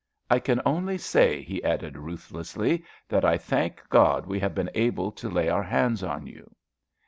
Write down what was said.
"I can only say," he added ruthlessly, "that I thank God we have been able to lay our hands on you."